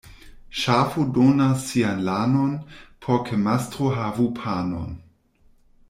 Ŝafo donas sian lanon, por ke mastro havu panon.